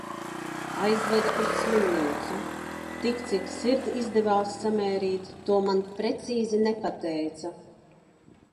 Aizveda uz slimnīcu. Tik cik sirdi izdevās samērīt, to man precīzi nepateica.